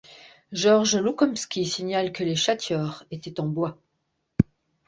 Georges Loukomski signale que les chatiors étaient en bois.